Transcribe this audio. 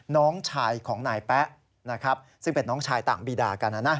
น้องชายของนายแป๊ะนะครับซึ่งเป็นน้องชายต่างบีดากันนะนะ